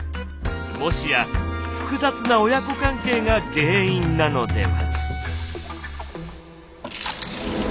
もしや複雑な親子関係が原因なのでは。